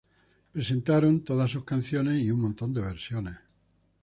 Presentaron todas sus canciones y un montón de versiones.